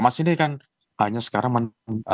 mas ini kan hanya sekarang